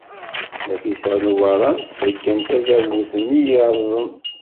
Nafisa n Ubeṛṛan tṣeggem tadabut-nni yerrẓen.